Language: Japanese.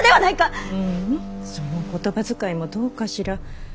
その言葉遣いもどうかしら。